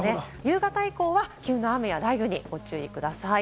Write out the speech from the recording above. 夕方以降は急な雷雨にご注意ください。